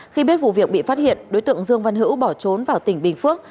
khi biết vụ việc bị phát hiện đối tượng dương văn hữu bỏ trốn vào tỉnh bình phước